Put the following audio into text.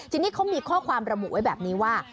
ทีนี้เขามีข้อความระบุไว้แบบนี้ว่า